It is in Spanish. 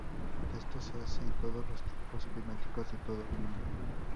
Esto se hace en todos los tipos climáticos de todo el mundo.